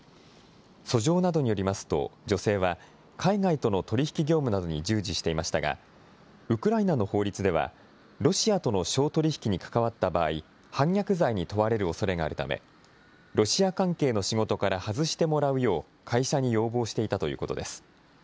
訴状などによりますと、女性は、海外との取り引き業務などに従事していましたが、ウクライナの法律では、ロシアとの商取引に関わった場合、反逆罪に問われるおそれがあるため、ロシア関係の仕事から外してもらうよう、会社に要望していたということです。